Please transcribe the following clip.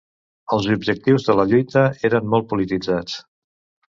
Els objectius de la lluita eren molt polititzats.